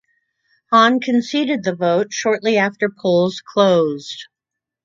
Han conceded the vote shortly after polls closed.